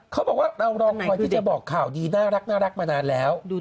เขาบอกว่าเรารอคอยที่จะบอกข่าวดีน่ารักมานานแล้ว